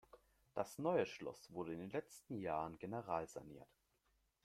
Das Neue Schloss wurde in den letzten Jahren generalsaniert.